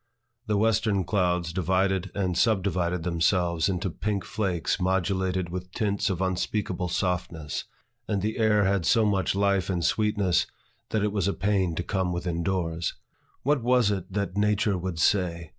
The western clouds divided and subdivided themselves into pink flakes modulated with tints of unspeakable softness; and the air had so much life and sweetness, that it was a pain to come within doors. What was it that nature would say?